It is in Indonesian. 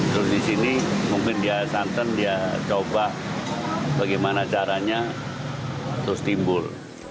terus di sini mungkin dia santan dia coba bagaimana caranya terus timbul